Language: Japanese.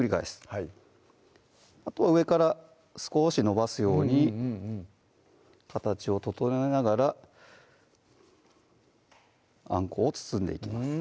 はいあとは上から少し伸ばすように形を整えながらあんこを包んでいきます